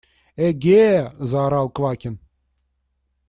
– Эге! – заорал Квакин.